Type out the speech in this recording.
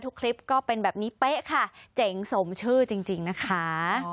คลิปก็เป็นแบบนี้เป๊ะค่ะเจ๋งสมชื่อจริงนะคะ